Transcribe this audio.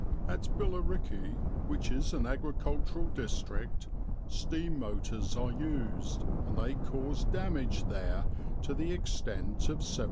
"At Billericay, which is an agricultural district, steam motors are used, and they cause damage there to the extent of £700."